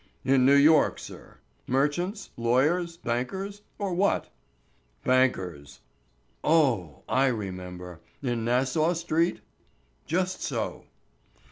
"In New York, sir." "Merchants, lawyers, bankers, or what?" "Bankers." "Oh, I remember; in Nassau street?" "Just so."